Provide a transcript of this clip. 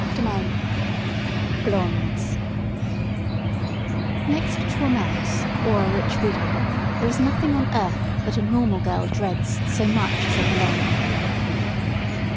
BLONDES NEXT to a mouse or a rich widow, there is nothing on earth that a normal girl dreads so much as a blonde.